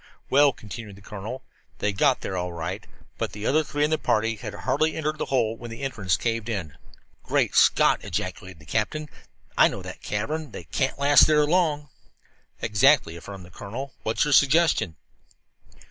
"Well," continued the colonel, "they got there all right. But the other three in the party had hardly entered that hole when the entrance caved in." "Great Scott!" ejaculated the captain. "I know that cavern. They can't last there long." "Exactly," affirmed the colonel. "What is your suggestion?"